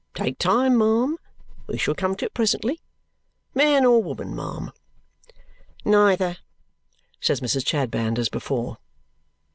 Take time, ma'am. We shall come to it presently. Man or woman, ma'am?" "Neither," says Mrs. Chadband as before.